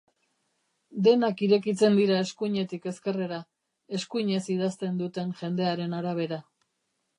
Denak irekitzen dira eskuinetik ezkerrera, eskuinez idazten duten jendearen arabera.